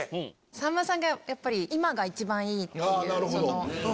さんまさんが今が一番いいっていう。